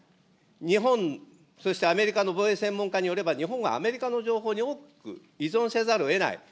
日本、そしてアメリカの防衛専門家によれば、日本はアメリカの情報に大きく依存せざるをえない。